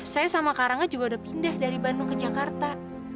saya sama karangnya juga udah pindah dari bandung ke jakarta